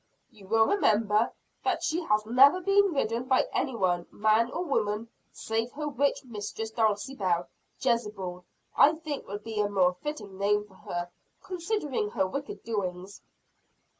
"You will remember that she has never been ridden by any one, man or woman, save her witch mistress Dulcibel Jezebel, I think would be a more fitting name for her, considering her wicked doings."